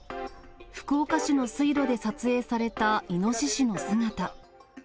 福岡市の水路で撮影されたイノシシの姿。